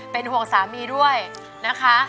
เป็นห่วงสามีด้วยนะคะ